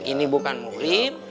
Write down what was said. ini bukan muhrim